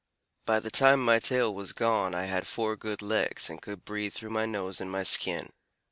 By the time my tail was gone I had four good legs, and could breathe through both my nose and my skin.